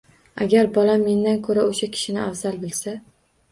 Agar bolam mendan ko‘ra o‘sha kishini afzal bilsa